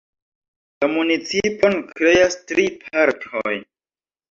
La municipon kreas tri partoj.